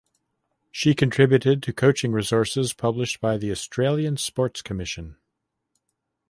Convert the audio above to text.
She contributed to coaching resources published by the Australian Sports Commission.